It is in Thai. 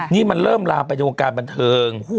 นี่มันเริ่มลามไปในวงการบันเทิง